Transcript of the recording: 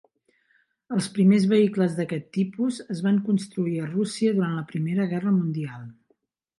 Els primers vehicles d'aquest tipus es van construir a Rússia durant la Primera Guerra Mundial.